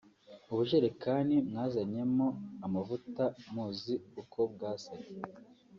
ubujerekani mwazanyemo amavuta muzi uko bwasaga